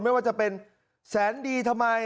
ไม่ว่าจะเป็นแสนดีทำไม